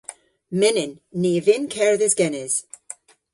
Mynnyn. Ni a vynn kerdhes genes.